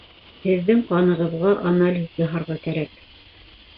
Һеҙҙең ҡанығыҙға анализ яһарға кәрәк